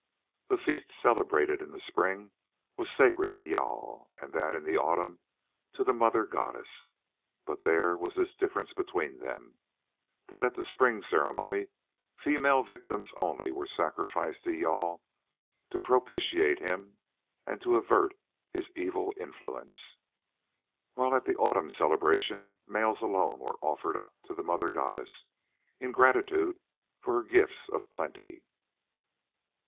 The feast celebrated in the spring was sacred to Jâl, and that in the autumn to the mother goddess. But there was this difference between them—that at the spring ceremony female victims only were sacrificed to Jâl to propitiate him and to avert his evil influence, while at the autumn celebration males alone were offered up to the mother goddess in gratitude for her gifts of plenty.